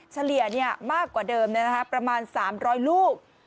เฉลี่ยมากกว่าเดิมประมาณ๓๐๐ลูก